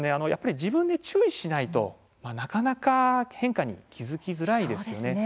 自分で注意しないとなかなか変化に気付きづらいですね。